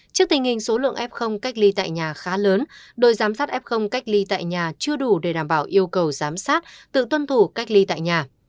trước tình hình số lượng f cách ly tại nhà khá lớn đội giám sát f cách ly tại nhà chưa đủ để đảm bảo yêu cầu giám sát tự tuân thủ cách ly tại nhà